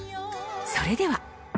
それでは。